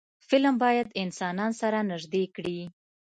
فلم باید انسانان سره نږدې کړي